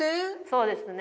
そうですね